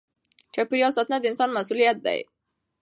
چاپېریال ساتنه د انسان مسؤلیت دی.